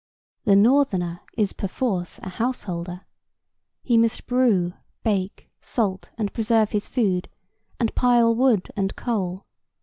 The northerner is perforce a householder. He must brew, bake, salt and preserve his food, and pile wood and coal.